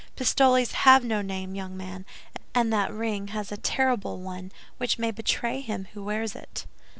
Pistoles have no name, young man, and that ring has a terrible one, which may betray him who wears it."